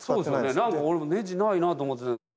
何で俺もネジないなと思ってて。